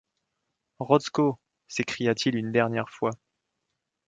Rotzko! s’écria-t-il une dernière fois.